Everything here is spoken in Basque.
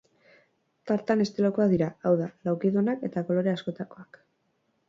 Tartan estilokoak dira, hau da, laukidunak eta kolore askotakoak.